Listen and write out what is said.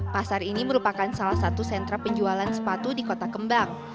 pasar ini merupakan salah satu sentra penjualan sepatu di kota kembang